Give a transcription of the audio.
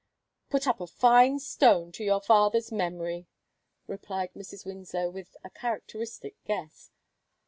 "Put up a fine stone to your father's memory," replied Mrs. Winslow, with a characteristic guess.